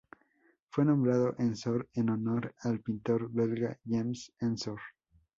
Fue nombrado Ensor en honor al pintor belga James Ensor.